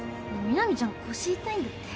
南ちゃん腰痛いんだって。